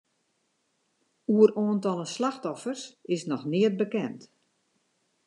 Oer oantallen slachtoffers is noch neat bekend.